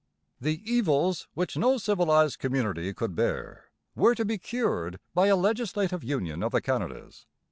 The 'evils which no civilized community could bear' were to be cured by a legislative union of the Canadas.